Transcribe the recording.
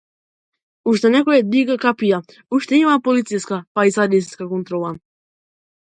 Уште некој дига капија, уште има полициска, па и царинска контрола.